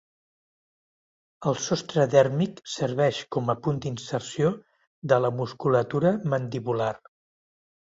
El sostre dèrmic serveix com a punt d'inserció de la musculatura mandibular.